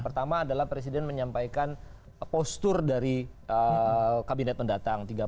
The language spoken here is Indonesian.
pertama adalah presiden menyampaikan postur dari kabinet mendatang